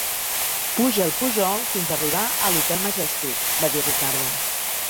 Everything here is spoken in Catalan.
"Puja el pujol fins a arribar a l'Hotel Majestic", va dir Ricardo.